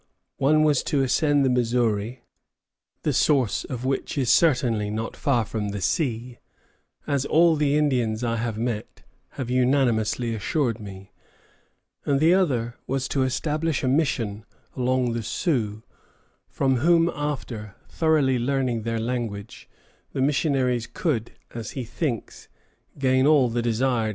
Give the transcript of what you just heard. One was to ascend the Missouri, "the source of which is certainly not far from the sea, as all the Indians I have met have unanimously assured me;" and the other was to establish a mission among the Sioux, from whom after thoroughly learning their language, the missionaries could, as he thinks, gain all the desired information.